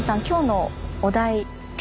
今日のお題。